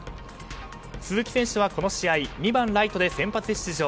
鈴木選手は、この試合２番ライトで先発出場。